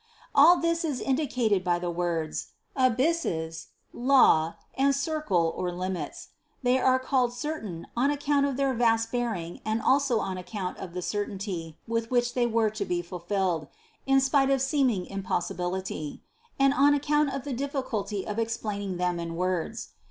All this is indicated by the words: abysses, law and circle or limits. They are called "certain" on account of their vast bearing and also on account of the certainty, with which they were to be fulfilled (in spite of seeming impossibility), and on account of the difficulty of explaining them in words.